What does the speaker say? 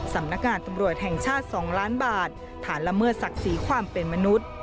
สำนักงานตำรวจแห่งชาติ๒ล้านบาทฐานละเมิดศักดิ์ศรีความเป็นมนุษย์